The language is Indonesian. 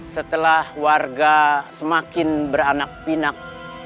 setelah warga semakin beranak pinak